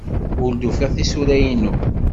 Ur d-ufiɣ tisura-inu.